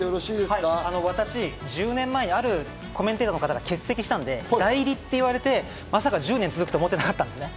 私、１０年前にあるコメンテーターの方が欠席したので、代理と言われて、まさか１０年続くと思ってませんでした。